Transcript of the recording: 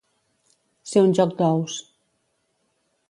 Ser un joc d'ous.